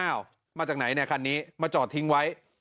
มาจากไหนเนี่ยคันนี้มาจอดทิ้งไว้